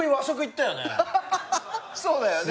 そうだよね。